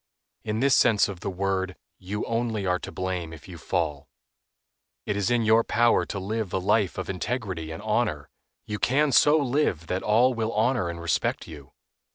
In this sense of the word you only are to blame if you fall. It is in your power to live a life of integrity and honor. You can so live that all will honor and respect you.